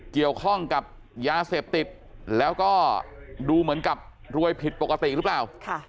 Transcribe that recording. เกี่ยวข้องกับยาเสพติดแล้วก็ดูเหมือนกับรวยผิดปกติหรือเปล่า